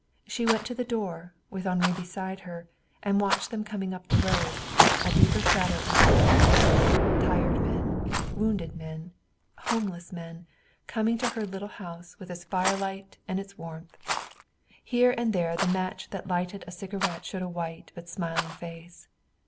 She went to the door, with Henri beside her, and watched them coming up the road, a deeper shadow in the blackness tired men, wounded men, homeless men coming to her little house with its firelight and its warmth. Here and there the match that lighted a cigarette showed a white but smiling face.